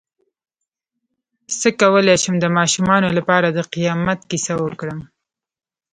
څ�ه کولی شم د ماشومانو لپاره د قیامت کیسه وکړم